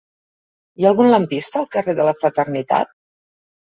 Hi ha algun lampista al carrer de la Fraternitat?